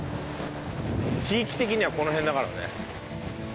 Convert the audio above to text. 地域的にはこの辺だからね。